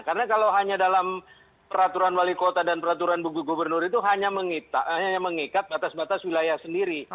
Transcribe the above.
karena kalau hanya dalam peraturan wali kota dan peraturan gubernur itu hanya mengikat batas batas wilayah sendiri